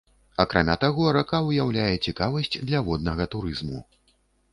Акрамя таго, рака ўяўляе цікавасць для воднага турызму.